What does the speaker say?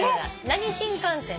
何新幹線？